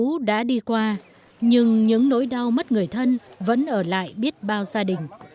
lũ đã đi qua nhưng những nỗi đau mất người thân vẫn ở lại biết bao gia đình